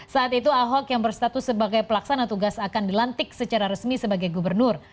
saat itu ahok yang berstatus sebagai pelaksana tugas akan dilantik secara resmi sebagai gubernur